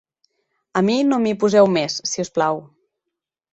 A mi no m'hi poseu més, si us plau.